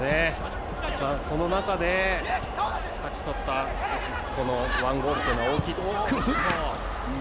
その中で、勝ち取ったこの１ゴールというのは大きいと。